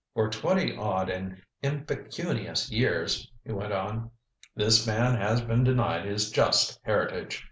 "For twenty odd and impecunious years," he went on, "this man has been denied his just heritage.